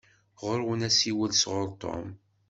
Ɣuṛ-wen asiwel sɣuṛ Tom.